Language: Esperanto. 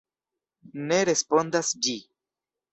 Ne respondas ĝi.